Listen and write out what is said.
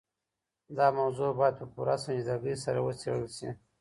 دا موضوع بايد په پوره سنجيدګۍ سره وڅېړل سي.